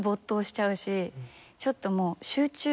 ちょっともう。